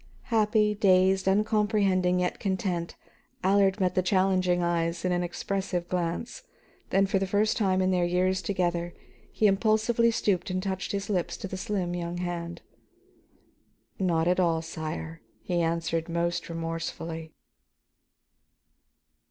Happy, dazed, uncomprehending yet content, Allard met the challenging eyes in an expressive glance; then for the first time in their years together, he impulsively stooped and touched his lips to the slim young hand. "Not at all, sire," he answered most remorsefully.